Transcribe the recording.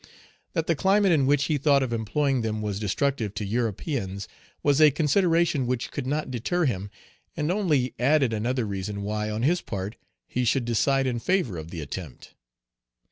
That the climate in which he thought of employing them was destructive to Europeans, was a consideration which could not deter him, and only added another reason why, on his part, he should decide in favor of the attempt.